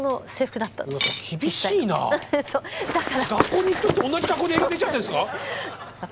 学校に行く時と同じ格好で映画出ちゃってるんですか？